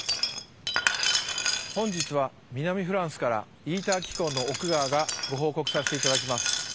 本日は南フランスからイーター機構の奥川がご報告させて頂きます。